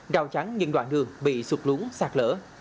rào chắn những đoạn đường bị sụt lúng sạt lỡ